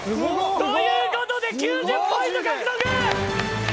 ・ということで９０ポイント獲得！